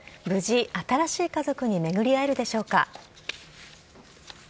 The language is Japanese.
無事、新しい家族に巡り合えるでしょうか。